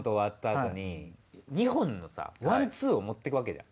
２本のさワンツーを持ってくわけじゃん。